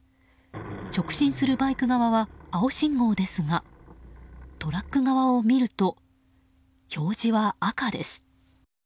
直進するバイク側は青信号ですがトラック側を見ると表示は赤です。